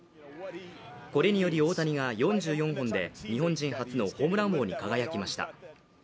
これにより大谷が４４本で日本人初のホームラン王に輝きました。